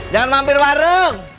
jangan mampir warung